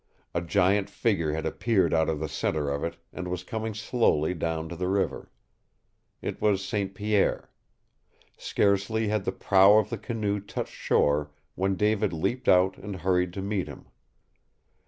A giant figure had appeared out of the center of it and was coming slowly down to the river. It was St. Pierre. Scarcely had the prow of the canoe touched shore when David leaped out and hurried to meet him.